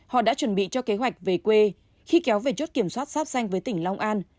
họ đã chuẩn bị cho kế hoạch về quê khi kéo về chốt kiểm soát sắp danh với tỉnh long an